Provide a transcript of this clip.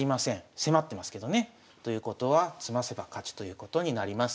迫ってますけどね。ということは詰ませば勝ちということになります。